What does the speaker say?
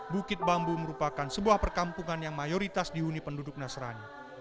bukit bambu merupakan sebuah perkampungan yang mayoritas dihuni penduduk nasrani